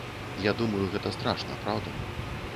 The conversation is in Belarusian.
Я думаю, гэта страшна, праўда?